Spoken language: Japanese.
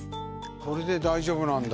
これで大丈夫なんだ。